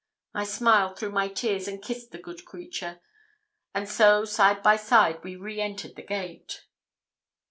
I smiled through my tears and kissed the good creature, and so side by side we re entered the gate.